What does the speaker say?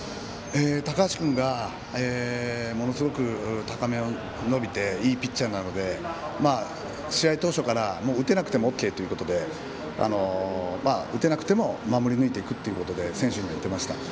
高橋君がものすごく高めが伸びていいピッチャーなので試合当初から打てなくてもＯＫということで打てなくても守り抜いていくと選手には言っていました。